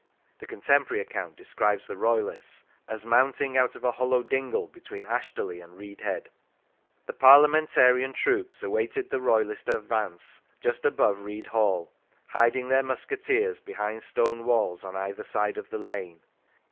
[The contemporary account describes the Royalists as " mounting out of a hollow dingle be tween Ashterley and Reed head."] The Parliamen tarian troops awaited the Royalist advance just above Read Hall, hiding their musketeers behind stone walls on either side of the lane.